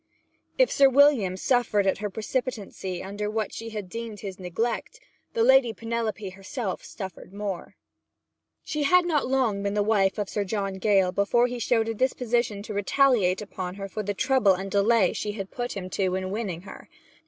If Sir William suffered at her precipitancy under what she had deemed his neglect, the Lady Penelope herself suffered more. She had not long been the wife of Sir John Gale before he showed a disposition to retaliate upon her for the trouble and delay she had put him to in winning her.